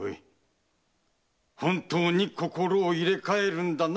本当に心を入れ替えるんだな？